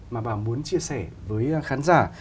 mà bà muốn chia sẻ với khán giả